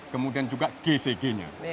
kemudian juga gcg nya